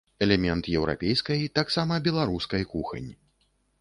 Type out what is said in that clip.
Элемент еўрапейскай, таксама беларускай, кухань.